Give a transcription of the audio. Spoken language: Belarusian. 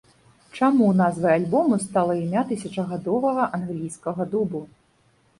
Чаму назвай альбому стала імя тысячагадовага англійскага дубу?